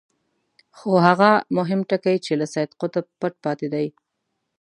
خو هغه مهم ټکی چې له سید قطب پټ پاتې دی.